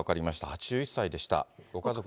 ８１歳でした。